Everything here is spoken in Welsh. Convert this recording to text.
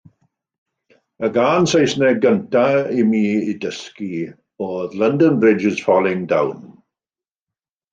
Y gân Saesneg gyntaf i mi ei dysgu oedd London Bridge is falling down.